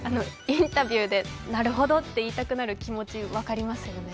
インタビューで「なるほど」って言いたくなる気持ち、分かりますよね。